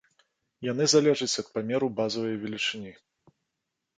Яны залежаць ад памеру базавай велічыні.